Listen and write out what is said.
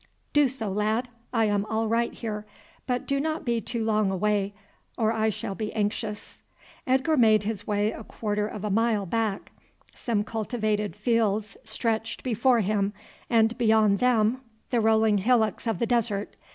"Do so, lad; I am all right here. But do not be too long away or I shall be anxious." Edgar made his way a quarter of a mile back. Some cultivated fields stretched before him, and beyond them the rolling hillocks of the desert.